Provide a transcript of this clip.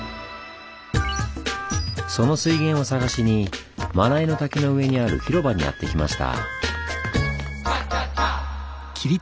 その水源を探しに真名井の滝の上にある広場にやって来ました。